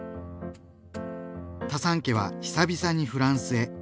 タサン家は久々にフランスへ。